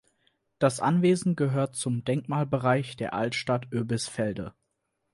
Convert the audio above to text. Das Anwesen gehört zum Denkmalbereich der Altstadt Oebisfelde.